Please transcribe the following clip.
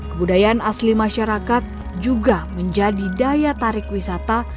kebudayaan asli masyarakat juga menjadi daya tarik wisata